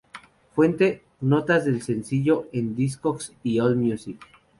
Fuente: Notas del sencillo en Discogs y Allmusic.